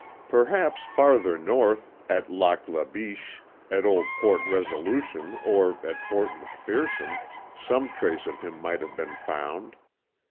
Perhaps farther north, at Lac La Biche, at Old Fort Resolution, or at Fort McPherson some trace of him might have been found.